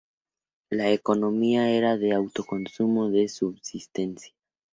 La economía era de autoconsumo, de subsistencia.